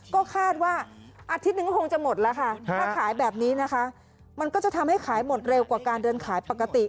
ก็คาดว่าอาทิตย์นึงก็คงจะหมดแล้วค่ะถ้าขายแบบนี้นะคะมันก็จะทำให้ขายหมดเร็วกว่าการเดินขายปกติ